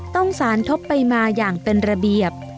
ต้องสารทบไปมาอย่างเป็นระเบียบ